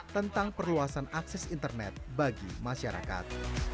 tentang perluasan akses internet bagi masyarakat